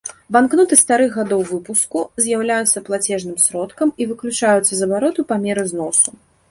Банкноты старых гадоў выпуску з'яўляюцца плацежным сродкам і выключаюцца з абароту па меры зносу.